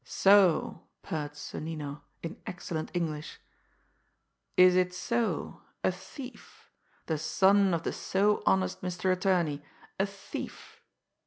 "So!" purred Sonnino, in excellent English. "Is it so! A thief! The son of the so honest Mister Attorney a thief!"